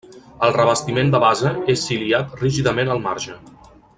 El revestiment de base és ciliat rígidament al marge.